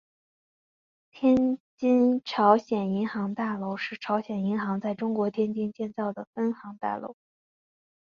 天津朝鲜银行大楼是朝鲜银行在中国天津建造的分行大楼。